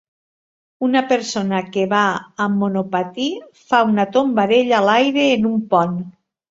Una persona que va amb monopatí fa una tombarella a l'aire en un pont.